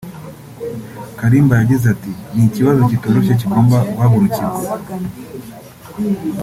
Kalimba yagize ati “ Ni ikibazo kitoroshye kigomba guhagurukirwa